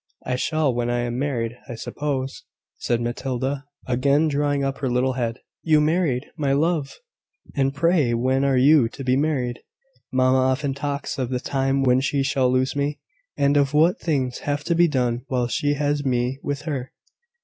"I shall when I am married, I suppose," said Matilda, again drawing up her little head. "You married, my love! And pray when are you to be married?" "Mamma often talks of the time when she shall lose me, and of what things have to be done while she has me with her."